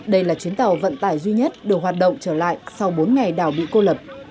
đây là chuyến tàu vận tải duy nhất được hoạt động trở lại sau bốn ngày đảo bị cô lập